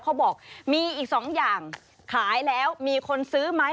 เขาบอกมีอีกสองอย่างขายแล้วมีคนซื้อไหม